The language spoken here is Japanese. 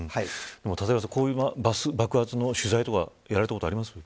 立岩さん、こういう爆発の取材とかやれたことありますか。